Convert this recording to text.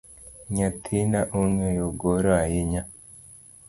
Nyathina ongeyo goro ahinya